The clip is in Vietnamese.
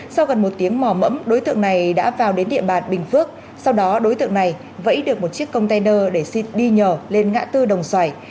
sau gần một tiếng mò mẫm đối tượng này đã vào đến địa bàn bình phước sau đó đối tượng này vẫy được một chiếc container để xin đi nhờ lên ngã tư đồng xoài